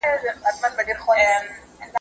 تاوتریخوالی ټولنه شاته وړي.